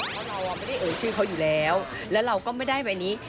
เพราะเราไม่ได้เอ่ยชื่อเขาอยู่แล้วแล้วเราก็ไม่ได้ใบนี้